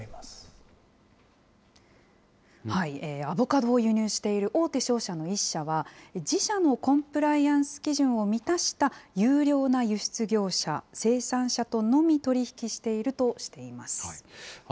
アボカドを輸入している大手商社の１社は、自社のコンプライアンス基準を満たした優良な輸出業者、生産者とのみ取り引きしているとしています。